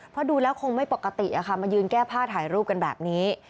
เพราะดูแล้วคงไม่ปกติมายืนแก้ผ้าถ่ายรูปกันแบบนี้